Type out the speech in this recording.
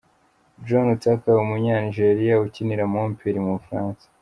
John Utaka , umunyanigeriya ukinira Montpellier mu Bufaransa.